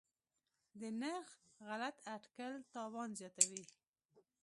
د نرخ غلط اټکل تاوان زیاتوي.